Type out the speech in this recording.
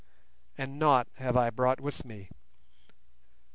And nought have I brought with me.